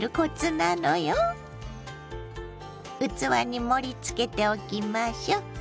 器に盛りつけておきましょ。